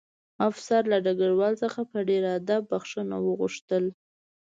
افسر له ډګروال څخه په ډېر ادب بښنه وغوښته